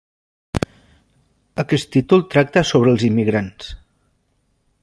Aquest títol tracta sobre els immigrants.